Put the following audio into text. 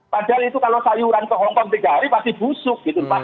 padahal itu kalau sayuran ke hong kong tiga hari pasti busuk